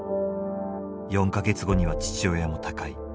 ４か月後には父親も他界。